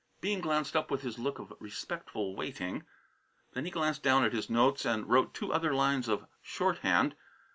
Bean glanced up with his look of respectful waiting. Then he glanced down at his notes and wrote two other lines of shorthand.